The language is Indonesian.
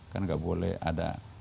karena gak boleh ada